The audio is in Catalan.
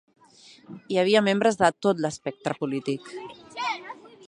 Hi havia membres de tot l'espectre polític.